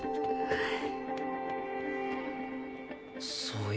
はい。